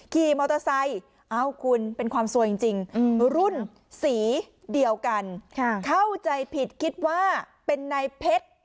ขี่มอเตอร์ไซค์เป็นความสวยจริง